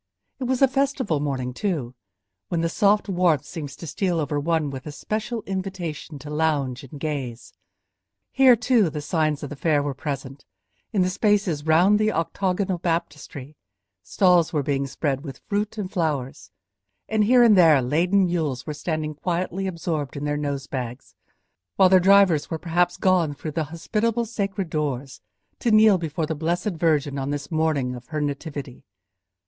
It was a festival morning, too, when the soft warmth seems to steal over one with a special invitation to lounge and gaze. Here, too, the signs of the fair were present; in the spaces round the octagonal baptistery, stalls were being spread with fruit and flowers, and here and there laden mules were standing quietly absorbed in their nose bags, while their drivers were perhaps gone through the hospitable sacred doors to kneel before the blessed Virgin on this morning of her Nativity.